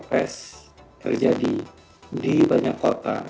tes terjadi di banyak kota